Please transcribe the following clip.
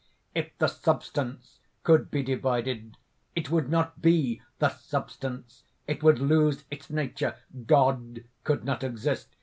"If the Substance could be divided, it would not be the Substance, it would lose its nature: God could not exist.